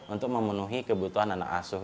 untuk memenuhi kebutuhan anak asuh